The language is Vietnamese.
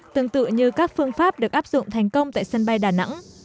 tương tự như các phương pháp được áp dụng thành công tại sân bay đà nẵng